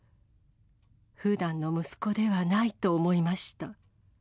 ふだんの息子ではないと思いました。